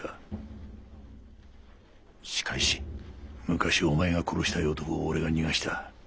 昔お前が殺したい男を俺が逃がした。